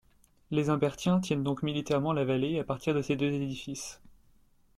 Les Humbertiens tiennent donc militairement la vallée à partir de ces deux édifices.